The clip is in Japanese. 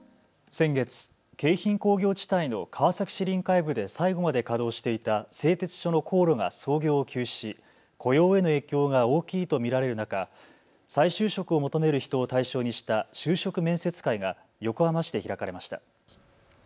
先月、京浜工業地帯の川崎市臨海部で最後まで稼働していた製鉄所の高炉が操業を休止し雇用への影響が大きいと見られる中、再就職を求める人を対象にした就職面接会が横浜市で開かれました。